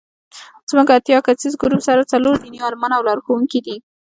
زموږ اتیا کسیز ګروپ سره څلور دیني عالمان او لارښوونکي دي.